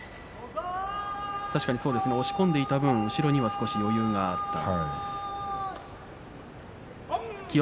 押し込んでいった分後ろには少し余裕があった。